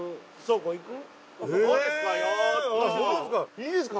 いいですか？